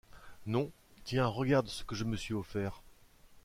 Non, tiens regarde ce que je me suis offert !